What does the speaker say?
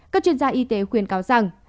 các chuyên gia y tế khuyên cáo rằng